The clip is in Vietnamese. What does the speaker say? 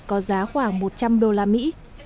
có giá khoảng một trăm linh đô la mỹ